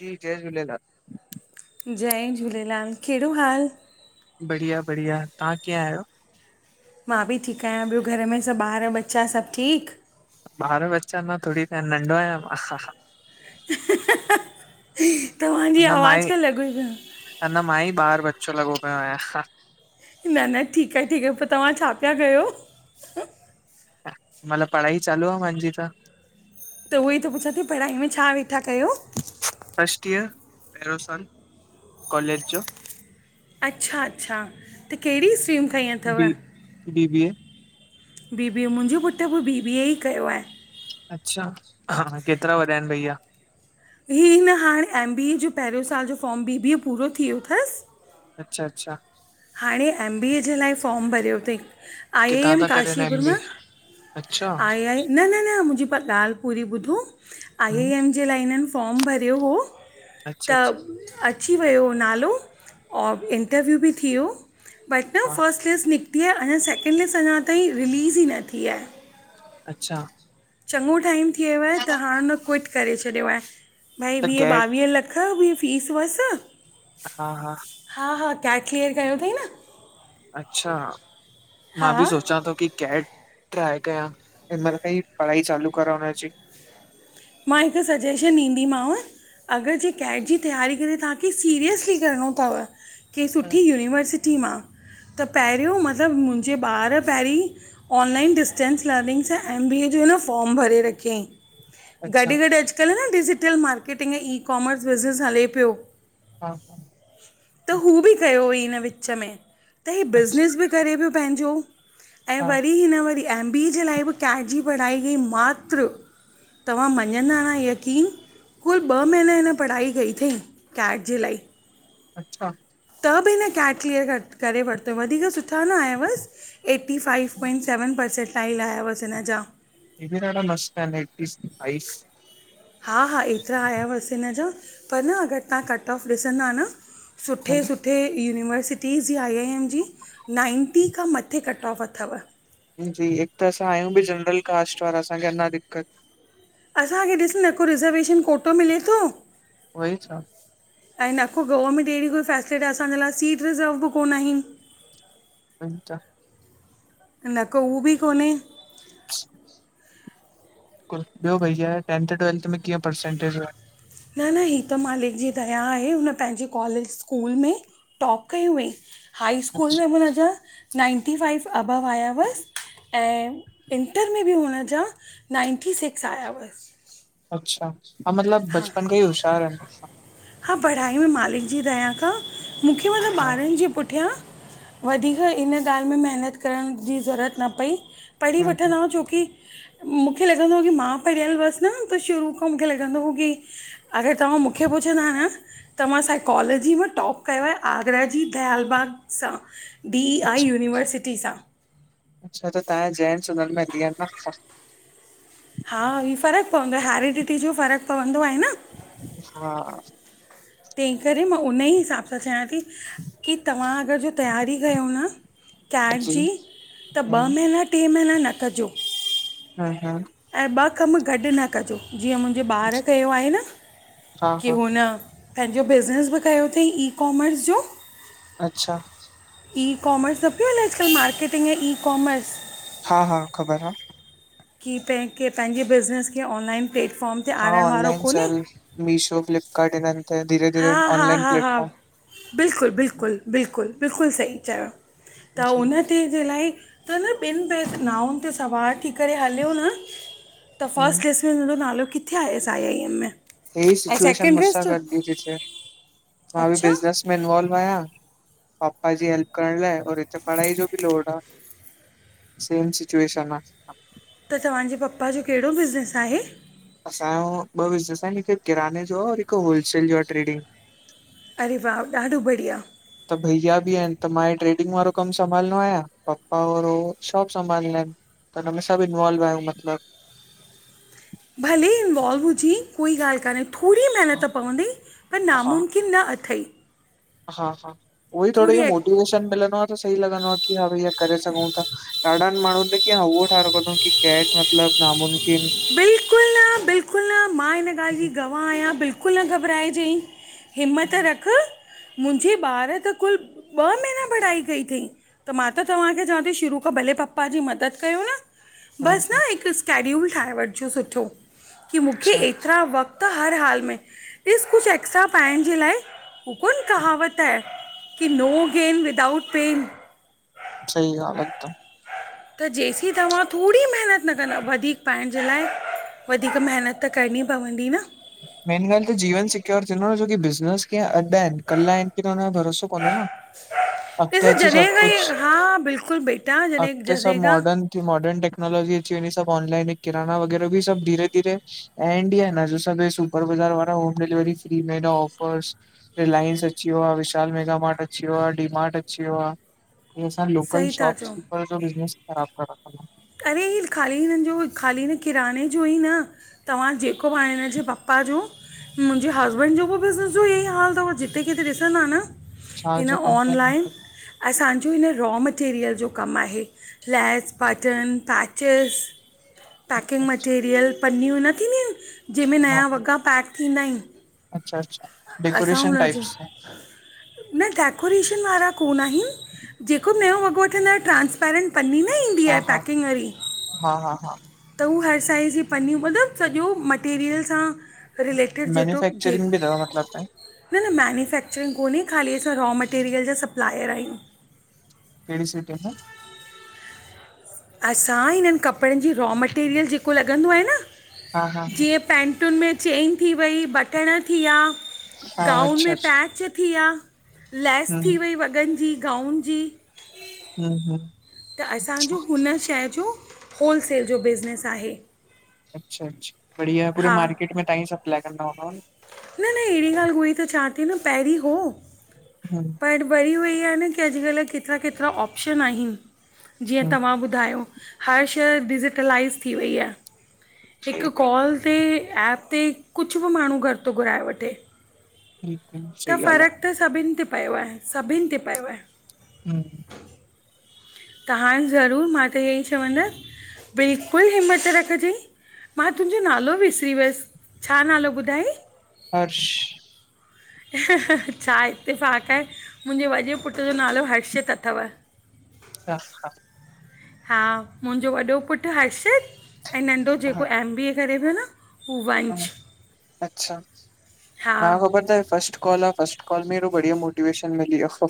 जी जय झूलेलाल। जय झूलेलाल, केहिड़ो हाल? बढ़िया-बढ़िया तव्हां कीअं आहियो? मां बि ठीकु आहियां, ॿियो घरु में सभु ॿार ॿच्चा सभु ठीकु? ॿार बच्चा न थोरी थया, नंढो आया मां। तव्हांजी आवाज़ खा लॻोई न। अञां मां ई ॿार ॿच्चो लॻो पयो आहियां। न न ठीकु आहे- ठीकु आहे, पोइ तव्हां छा पिया कयो? मतलबु पढाई चालू आ माहिंजी त। त उहो ई त पुछां ती, पढ़ाई में छा वेठा कयो? फर्स्ट ईयर पहिरो सालु, कॉलेज जो। अच्छा-अच्छा, त केहिड़ी स्टरीम बी, बीबीए। बीबीए मुंहिंजो पुटु बि बीबीए ई कयो आहे। अच्छा हा, केतिरा वॾा आहिनि भईया? ही न हाणे एमबीए जो पहिरियों सालु जो फॉर्म, बीबीए पूरो थी वियो थसि। अच्छा-अच्छा हाणे एमबीए जे लाइ फॉर्म भरियो तई, किथां आईआईएम था करनि एम काशीपुर बी मा। अच्छा! न न न मुंहिंजी पू ॻाल्हि पूरी ॿुधो, हम आईएएम जे लाइ हिननि फॉर्म भरियो हो। अच्छा अच्छा त अची वयो नालो और इंटरव्यू बि थि वयो बट हा फर्स्ट लिस्ट निकिती आ, अञा सैकिंड लिस्ट अञा ताईं रिलीज़ ई न थी आहे। अच्छा चङो टाइम थि वयो आ, त हाणे हुन क्विट करे छॾियो आहे। भई त वीह कैट ॿावीह लखु ख वि फीस हुअसि। हा हा हा हा कैट क्लीअर कयो तई न। अच्छा मां बि हा सोचां तो कि कैट ट्राए कयां। हिन मईलु खां ई पढ़ाई चालू करां उनजी। मां हिकु सजेशन ॾीदींमांव। अगरि जे कैट जी तैयारी करे तव्हांखे सीरियसली करिणो तवि? कैहिं हम्म। सुठी यूनिवर्सिटी मां, त पहिरियों मतलबु मुंहिंजे ॿार पहिरीं ऑनलाइन डिस्टेंस लर्निंग सा एम बी ए जो हिन फॉर्म भरे रखियईं। गॾु अच्छा गॾु अॼुकल्ह न डिजिटल मार्केटिंग ऐं ई कॉमर्स बिज़नेस हले पियो। हा त हू बि कयो हुयईं हिन विच में, त हे अच्छा बिज़नेस बि करे पियो पंहिंजो, ऐं हा वरी हिन वरी एम बीए जे लाइ बि कैट जी पढ़ाई कयई मात्र तव्हां मञंदा न यकीन कुल ॿ महीना, हिनि पढ़ाई कई अथई कैट जे लाइ। अच्छा! त बि हिन कैट क्लीअरु करे वरितव, वधीक सुठा न आयवसि। Eighty five point seven percent tile आया हुअसि हिनि जा। हे भी ॾाढा मस्त आहिन ऐटी फाइव। हा हा एतिरा आया हुअसि हिनि जा, पर न अगरि तव्हां कट ऑफ ॾिसंदा न? सुठे सु सुठे यूनिवर्सिटीज़ जी आइआइएम जी नाइंटी खां मथे कट ऑफ अथव। जी हिकु त असां आहियूं बि जनरल कास्ट वारा, असांखे अञां दिक़्कत असांखे ॾिस न, को रिजर्वेशन कोटो मिले थो वही चवा ऐं न को गवर्नमेंट अहिड़ी कोई फैसिलिट, असांजे लाइ सीट रिजर्व बि कोन हीन। [inaudible] अच्छा [unintelligible] न को उह बि कोन्हे। श् [inaudible] कुछ ॿियो भईया, टेंथ ट्वेलथ मे कीअं परसेंटेज आई? न- न, ही त मालिक जी दया आहे, हुन पंहिंजे कॉलेज स्कूल में- टॉप कई हुअंईं। हाई स्कूल अच्छा में बि हुनजा नाइंटी फ़ाइव अबव आया हुअस ऐं इंटर में बि हुन जा नाइंटी सिक्स आया हुअसि। अच्छा! हा मतिलब हा बचपन खां ई होशियारु आहिनि। हा पढ़ाई में मालिक जी दया खां मूंखे मतलब हा ॿारनि जे पुठियां वधीक इन ॻाल्हि में महिनत करण जी ज़रूरत न पई प, ढ़ी हूं हूं वठंदा हुआ छो कि। मूंखे लॻंदो हो कि मां पढ़ियल हुअसि न त शुरू खां मूंखे लॻंदो हो कि अगरि तव्हां मूंखे ॿुधो पुछंदा न, त मां साइकोलॉजी मां टॉप कयो आहे आगरा जी दयाल बाग़ सां। डी आई अच्छा यूनिवर्सिटी सां। अच्छा त तव्हांजा जैन्ट्स उनन में ॾियनि था साथु। हा ही फ़र्क़ु पवंदो आहे, हैरिडिटी जो फ़र्क़ु पवंदो आहे न। हा तंहिं करे मां हुन ई हिसाब सां चंयां थी, कि तव्हां अगरि जो तैयारी कयो न कैट जी ज़ी, त हूं ॿ महीना, टे महीना न कजो। हा ऐं ॿ कम गॾु न कजो, जीअं मुंहिंजे ॿार कयो आहे न हा कि हा हुन पंहिंजो बिज़नेस बि कयो थईं, ई कॉमर्स जो। अच्छा। ई-काॅमर्स न पियो हले अॼकल मार्केर्टिंग ऐं ई- काॅमर्स! हा हा ख़बर आ। कि पंहिंजे बिज़नेस खे ऑनलाइन प्लेटफॉर्म ते हा, आणण वारो ऑनलाइन कोन्हे सेल, मीशो, फ्लीपकार्ट इनन ते धीेरे-धीरे ऑनलाइन प्लेटफॉर्म। बिल्कुल- बिल्कुल, बिल्कुल- बिल्कुल सही चयो, त जी उन्ह तेंजे लाए, त न ॿिन नाउन ते सवार थी करे हलियो न त हम्म फस्ट लिस्ट में हुनॼो नालो किथे आयुसि आई आई एम में। एही ऐं सिचुएशन सेकेंड मुंसा लिस्ट? गॾ भी ती थिये, मां भी अच्छा, बिज़नेस इनमें इनवॉल्व आहियां पापा जी हेल्प करण लाए और हिते पढ़ाई जो बि लोड आ। सेम सिच्युएशन आ। त तव्हांजे पप्पा ॼो केड़ो बिज़नेस आहे? असांजो ॿ बिज़नस आहिनि, हिकु किराने जो और हिक होलसेल जो ट्रेडिंग। अरे वाह, ॾाढो बढ़िया। त भईया बि आहिनि त मां इह ट्रेडिंग वारो कमु संभालिंदो आहियां, पप्पा और हू शाॅप संभालिंदा आहिन। त हुनमें सभु इंवॉल्व आहियूं मतलब। भले इंवॉल्व हुजी, कोई ॻाल्हि कान्हे थोरी मेहनत पवंदी, पर हा नामुमकिन न अथई। हा हा, उहो ई थोड़ो इहो थोरी मोटिवेशन मिलंदो आ त सही लॻंदो आ कि हा भइया करे सघूं था। ॾाढनि माण्हुनि त किय हव्वौ ठाहे रख्यो अथन कि कैट मतिलब नामूमकिन बिल्कुल न- बिल्कुल न, मां हिन ॻाल्हि जी हम्म, गवाह मां आहियां बिल्कुल न घबराइजेंइ, हिम्मत रख। मुंहिंजे ॿार त कुल ॿ महीना पढ़ाई कई अथई। त मां त तव्हांखे चवां थी शुरू खां, भले पप्पा जी मदद कयो न। बस हम्म, ना हिक स्कैड्यूल ठाहे वठिजो सुठो कि मुखे अच्छा एक त्रा वक़्त हर हाल में, ढिस कुझु एक्स्ट्रा पाएंण जे लाए हू कोन कहावत आहे, कि नो गेन विदाउट पेन। सही ॻाल्हि आ हिकदम। त जेसीं तव्हां थोड़ी मेहनत न कंदा, वधीक पाएंण जे लाइ वधीक मेहिनत त करणी पवंदी न। मेन गाल्हि त जीवन सिक्योर थींदो न जोकि बिज़नेस कीअ अड् आहिन, कल आहिनि की न, हुनजो भरोसो कोन्हे न। ॾिस अॻिते अची जॾहिं सब खां कुछ, ई हा बिल्कुलु बेटा जॾहिं अॻिते सब जॾहिं खां मॉडर्न मॉर्डर्न टेक्नोलॉजी अची वेंदी, सबऑनलाइन किराना वग़ैरह भी सब धीरे धीेरे एंड ही आहेन। सुपर बज़ार वारा, होम डिलेवरी फ्री में, ऐडॉ आफर्स। रिलायंस अची वियो आ, विशाल मेगा मार्टअची वियो आ, डी मार्ट अची वियो आ। इंसान लोकल सही था चओ शॉप्सकीपर जो बिज़नेस ही ख़राब करे रखंदा। अरे ही ख़ाली हिननि जो, ख़ाली हिन किराने जो ई न तव्हां जेको बि हिनजे पप्पा जो मुंहिंजे हस्बैंड जो बि बिज़नेस जो इहो ई हाल थव, जिते किथे ॾिसंदा न छा हिन जो कंपनी ऑनलाइन हा असांजो हिन रॉ मटेरियल जो कमु आहे, लैस पा पैर्टन पैचिस, पैकिंग अच्छा अच्छा मटेरियल पन्नियूं न थींदियूं आहिनि। जंहिंमें हाँ नया वॻा पैक थींदा आहिनि। अच्छा- अच्छा। असां डेकोरेशन हुननि जो टाइप्स न डेकोरेशन वारा कोन आहिन, जेको नयों वॻो वठंदा आयो ट्रांस्पेरेंट। पनी न ईंदी हा आहे हा पैकिंग वारी। हा हा हा त उहा हर साइज़ जी पनियूं, मतिलबु सॼो मटेरियल सां रिलेटिड जेॾो हुजे मैन्युफैक्चरिंग बि अथव मतिलबु न न मैन्युफैक्चरिंग कोन्हे, ख़ाली असां रॉ मैटेरियल जा सप्लायर आयूं। कहिड़ी सिटी में? असां हिननि कपिड़नि जी रॉ मटेरियल जेको लॻंदो आहे न, हा हा जीअं पैंटुनि में चेंन थी वई, बटण थी विया। हा गाउन अच्छा में अच्छा पैच थी विया, लैस थी हम्म वई वॻनि जी, गाउन जी। हम्म हम्म। त असांजो हुन शै जो होलसेल जो बिज़नेस आहे। अच्छा-अच्छा बढ़िया, पूरे हा मार्केट में तहां ही सप्लाई कंदा हूंदा न? न न अहिड़ी ॻाल्हि हो, ई त चंआंव थी न पहिरीं हो। हा वरी होई आहे न, अॼुकल्ह केतिरा-केतिरा ऑप्शन आहिनि, जीअं तव्हां ॿुधायो। ॿुधायो, हर शै डिजिटलाइज़ थी वई आहे। सही हिकु ॻाल्हि कॉल हुते एप ते कुछ बि माण्हू घरु थो घुराए वठे। हम्म हम्म। त फ़रकु त सभिन ते पयो आहे, सभिनि ते पयो आहे। हम्म त हाणे ज़रूर मां त इअं ई चवंदसि, बिल्कुलु हिम्मत रखजेंई। मां तुंजो नालो विसरी वियसि, छा नालो ॿुधाई? हर्ष। छा, इत्तिफ़ाक़ आहे। मुंजे वॾे पुट्र जो नालो हर्षित अथव। [inaudible] हा, मुंजो वॾो पुट्र हर्षित ऐं नंढो हा जेको एम बी ए करे पियो न हू हा, वंश अच्छा, हा मां ख़बर तव हे फस्ट कॉल आ फस्ट। फर्स्ट कॉल में ऐॾौ बढ़िय मोटिवेशन मिली वियो।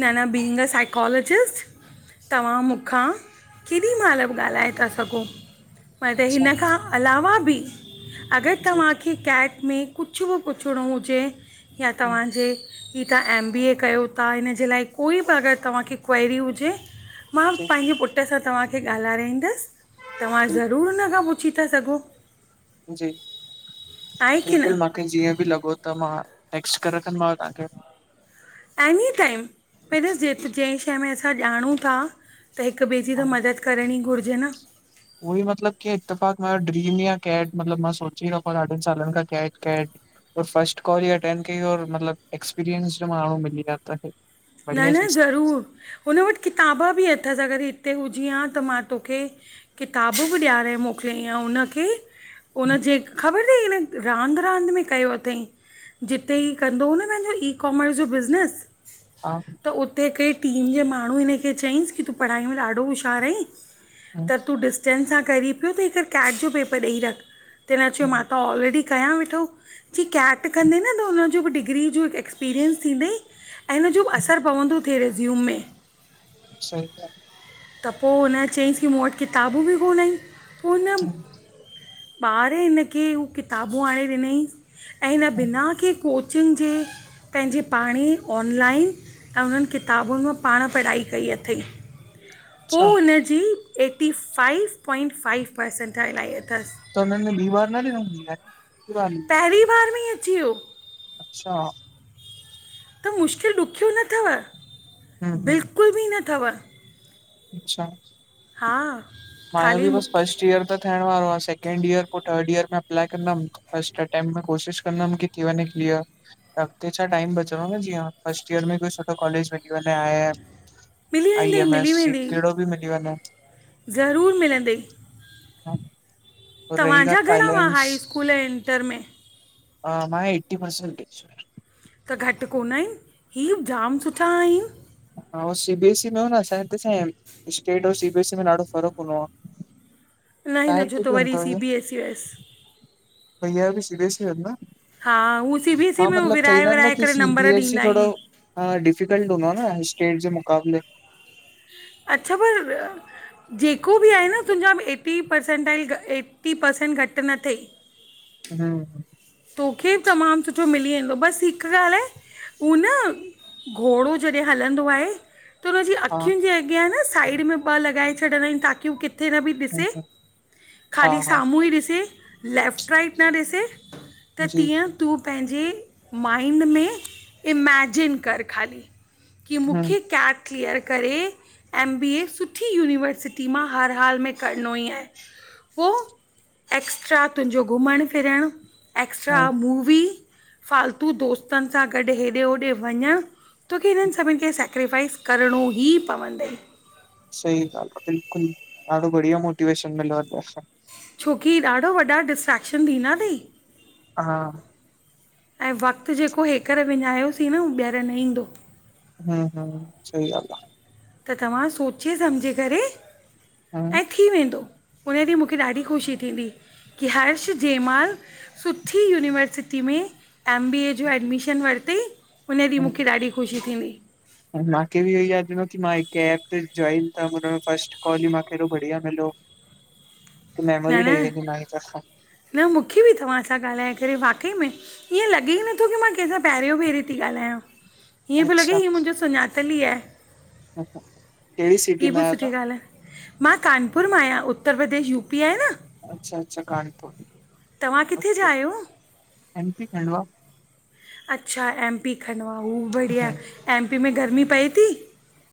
न-न बींग अ साइकोलॉजिस्ट। तव्हां मूंखां केॾी महिल भी ॻाल्हाए था सघो। मतलब, अच्छा हिन खां अलावा बि अगर जी तव्हां जी खे कैट में कुछ बि पुछणो हुजे या हम्म तव्हांजे ही तव्हां एम बी ए कयो था हिन जे लाइ कोई बि अगर तव्हांखे क्वायरी हुजे मां जी पंहिंजे पुट्र पुट्र सां तव्हांखे ॻाल्हाराईंदसि तव्हां जी ज़रूर हुन खां पुछी था सघो। जी, आहे की न बिल्कुलु मां मूंखे जीअं बि लॻो त मां टेक्स्ट करे रखंदो मांव तव्हांखे। एनी टाइम [unintelligible] जंहिं शइ में असां ॼाणूं था त हिक ॿिए जी त हा मदद करणी घुरिजे न। उहो ही मतलब की इत्तिफ़ाक़ो ड्रीम ही आ कैट मतलब मां सोची रखी आहे ॾाढनि सालनि खां, कैट-कैट। ओर फर्स्ट कॉल ही अटेंड कई, और ऐं मतलब एक्सपीरियंस्ड माण्हू मिली वया। न न ज़रूर हुन वटि किताबा बि अथसि अगर हिते हुजी हा त मां तोखे। किताबु बि ॾियारे मोकिलियई ऐं हुन खे हुननि जे ख़बर तई हिननि रांद रांद में कयो तईं जिथे ही कंदो हो न पंहिंजो ई कॉमर्स जो बिज़नेस हा त उते हिकडे टीम जे माण्हू हिन खे चयईंसि की तूं पढ़ाई में ॾाढो होशियारु आहीं हम्म त तूं डिस्टेंस सां करी पियो त हिक कैट जो पेपर ॾेई रख त हिन चयो मां हम्म तां ऑलरेडी कयां वेठो चई कैट कदें त उनंजि डिग्री जो हिक एक्सपिरियन्स थींदु हुनजो भी हम्म, असर पवंदो थिए रिज़्यूम में। सही गाल्हि आ। त पो हुन चईंसि की मूं वट किताबूं बि कोंनन पो हुन हम्म पाण हिन खे उ किताबूं आणे ॾिनई ऐं हिन हम्म, बिना कहिं कोचिंग कोचिंग जे पंहिंजे पाण ही ऑनलाइन त उन्हनि किताबुनि मां पाण पढ़ाई कई अथई, पो अच्छा हुन जी eighty five point five percent आयल तसि। त उन्हनि ॿी बार न ॾिॾउं, हिक बार ही? पहिरीं बार में ही अची वियो। अच्छा! त मुश्किल ॾुखियो न तव हम्म हम्म बिल्कुल बि न थव। अच्छा। हां मयो बि बस फर्स्ट ईयर त थियण वारो आ सैकेंड इयर पो थर्ड इयर में अप्लाए कंदमि। फस्ट अटैम्प में कोशिश कंदमि की थी वनै कलियर। त अॻिते छा टाइम बचिंदो न जीअं फर्स्ट ईयर में कोई सुठो कॉलेज मिली वन्ने आ मिली आई वेंदई म मिली एस वेंदई कहिड़ो बि मिली वञे। ज़रूरु मिलंदुई। ह [unintelligible] तव्हांजा घणा हुआ? हाई स्कूल ऐं इंटर में अ, मां एटी परर्सेंट त घटि कोन आहिनि, ही जाम सुठा आहिनि। हां सी बीएस ई में हो न, असां जे हिते छा M state or C BS में ॾाढो फ़र्क़ु हूंदो आह। न हिन जो त वरी, सी बी एस हुयसि भईया बि सी बी एस ई आहिनि न, हा हू सी बी एस ई हां में हू मतिलब विराए चवंदा आहिनि न विराए की करे नंबर ॾींदा सीबीएसई थोडो आहिनि हां डिफिकल्ट हूंदो आहे न, स्टेट जे मुक़ाबले अच्छा पर जेको बि आहें न, तुंहिंजा बि एटी परसेंट आहिनि एटी परसेंट घटि न थई। ह्म तोखे तमामु सुठो मिली वेंदो बसि हिकु ॻाल्हि आहे, उहा न घोड़ो जॾहिं हलंदो आहे त हुनजी हा अखियुनि जे अॻियां आहे न, साइड में ॿ लॻाए छॾंदा आहिनि ताकी उ किथ् थे न बि ॾिसे, हम्म हा ख़ाली हा साम्हूं ई ॾिसे। लेफ्ट राइट न ॾिसे त जी तीअं जी तूं पंहिंजे माइंड में, इमैजिन कर ख़ाली की हम्म मुखे कैट क्लिअर करे, एम बी ए सुठी यूनिवर्सिटी मां हर हाल में करणो ई आहे पो एक्स्ट्रा तुंहिंजो घुमणु- फिरणु एक्स्ट्रां हम्म मूवी, फ़ालतू दोस्तनि सां गॾु हेॾे- होॾे वञणु तोखे हिननि जी, सभिनी खे सेक्रीफाइस करिणो ही पवंदई सही ॻाल्हि आहे बिल्कुलु, ॾाढो बढ़िया मोटिवेशन मिलो आहे तवहां सां छोकी ॾाढो वॾा, डिस्ट्रेक्शन ॾींदा अथई हा ऐं वक़्तु जेको हेकर विञायोसीं न, उहो ॿीहरि न ईंदो हम्- हम् सही ॻाल आहे त तव्हां सोचे समुझे करे हां [unintelligible] ऐं थी वेंदो, उन ॾींहुं मूंखे ॾाढी ख़ुशी थींदी कि हर्ष जैं माल सुठी यूनिवर्सिटी में, एम बी ए जो एडमिशन वरिती उन ॾींहुं हम्म मूंखे ॾाढी ख़ुशी थींदी। मांखे बि इहो यादि ईंदो, कि मां हिक एप ते जाइन कयमि, त हुन में फस्ट कॉल ई मूंखे हेॾो बढ़िया मिलियो। [inaudible] हिक मेमोरी ठई वई की न [unintelligible] न मूंखे बि तव्हां सां ॻाल्हाए करे वाकई में, ईअं लॻे ई नो क मां कहिंसां पहिरियों भेरो थी ॻाल्हायां, ईअं पियो अच्छा लॻे ही मुंहिंजो सुञातलु ई आए। [unintelligible] हीअ में बि आयो सुठी ॻाल्हि आहे, मां कानपुर मां आहियां। उत्तर प्रदेश यूपी आहे न। अच्छा अच्छा, कानपुर। तव्हां किथे जा आहियो? M P, Khandwa. [unintelligible] अच्छा, एम पी खंडवा, हू बि बढ़िया, एम पी में गर्मी पए थी?